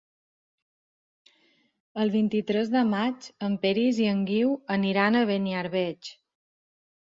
El vint-i-tres de maig en Peris i en Guiu aniran a Beniarbeig.